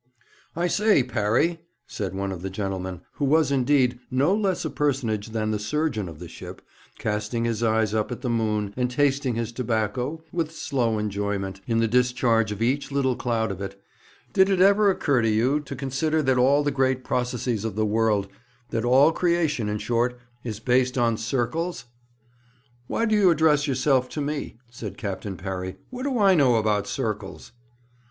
'I say, Parry,' said one of the gentlemen, who was, indeed, no less a personage than the surgeon of the ship, casting his eyes up at the moon, and tasting his tobacco, with slow enjoyment, in the discharge of each little cloud of it; 'did it ever occur to you to consider that all the great processes of this world that all creation, in short, is based on circles?' 'Why do you address yourself to me?' said Captain Parry. 'What do I know about circles?'